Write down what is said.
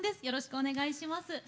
よろしくお願いします。